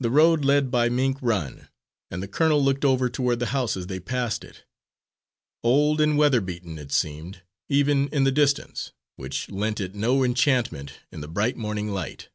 The road led by Mink Run, and the colonel looked over toward the house as they passed it. Old and weather beaten it seemed, even in the distance, which lent it no enchantment in the bright morning light.